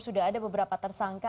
sudah ada beberapa tersangka